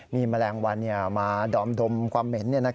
มีแมลงวันมาดอมดมความเหม็น